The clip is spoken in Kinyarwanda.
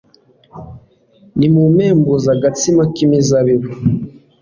nimumpembuze agatsima k'imizabibu